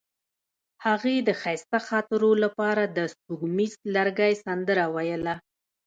هغې د ښایسته خاطرو لپاره د سپوږمیز لرګی سندره ویله.